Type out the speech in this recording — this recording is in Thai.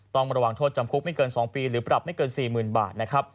ต้องระวังโทษจำคุกไม่เกิน๒ปีหรือปรับไม่เกิน๔๐๐๐บาทนะครับ